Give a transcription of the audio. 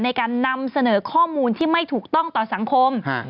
ในการนำเสนอข้อมูลที่ไม่ถูกต้องต่อสังคม